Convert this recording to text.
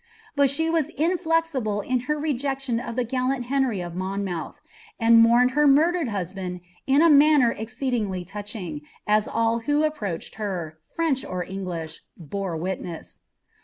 Bui she was inflexible in her rejection uf the gkllant ilenry of Monniouih, and mourned her murdeied husband in a moinnFT exceedingly louchnig, as all who approached her, Fieneh of tnglish, bore witness."'